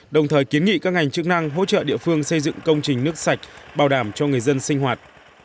đồng thời kiến nghị các ngành chức năng hỗ trợ địa phương xây dựng công trình nước sạch bảo đảm cho người dân sinh hoạt